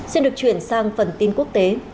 xin được chuyển sang phần tin quốc tế